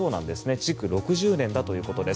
築６０年だということです。